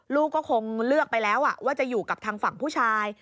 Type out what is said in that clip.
ลูกก็คงเลือกไปแล้วว่าจะอยู่กับทางฝั่งผู้ชาย